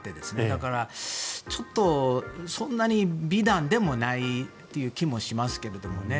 だから、ちょっとそんなに美談でもないという気もしますけどね。